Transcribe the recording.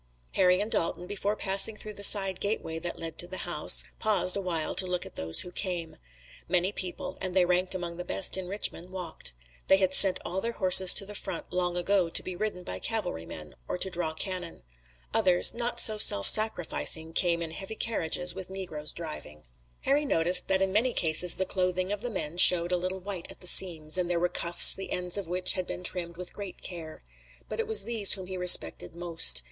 Harry and Dalton, before passing through the side gateway that led to the house, paused awhile to look at those who came. Many people, and they ranked among the best in Richmond, walked. They had sent all their horses to the front long ago to be ridden by cavalrymen or to draw cannon. Others, not so self sacrificing, came in heavy carriages with negroes driving. Harry noticed that in many cases the clothing of the men showed a little white at the seams, and there were cuffs the ends of which had been trimmed with great care. But it was these whom he respected most.